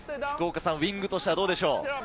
ウイングとしてはどうですか？